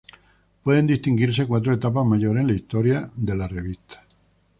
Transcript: Pueden distinguirse cuatro etapas mayores en la historia de la revista.